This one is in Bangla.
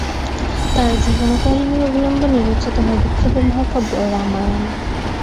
তাঁর জীবনকাহিনী অবলম্বনে রচিত হয় বিখ্যাত মহাকাব্য রামায়ণ।